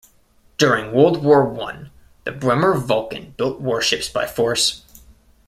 During World War One the Bremer Vulkan built warships by force.